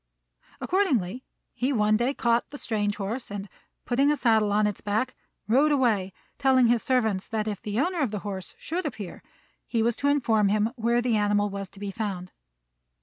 Accordingly, he one day caught the strange horse and, putting a saddle on its back, rode away, telling his servant that if the owner of the horse should appear, he was to inform him where the animal was to be found.